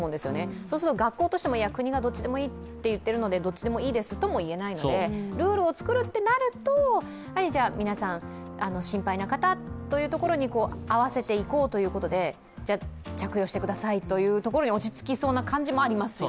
そうすると学校としても、国がどっちでもいいと言っているのでどちらでもいいですとも言えないので、ルールを作るとなると皆さん心配な方は、というところに合わせていこうということで「着用してください」というところに落ち着きそうな気がしますよね。